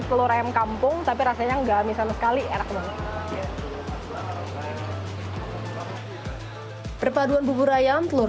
telur ayam kampung tapi rasanya enggak misalnya sekali er kembali perpaduan bubur ayam telur